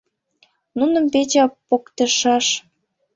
Нуным Петя поктышаш